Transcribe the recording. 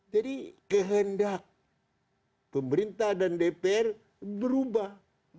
jadi kehendak pemerintah dan dpr berubah